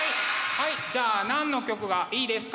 はいじゃあ何の曲がいいですか？